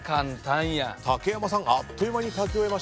竹山さんあっという間に書き終えました。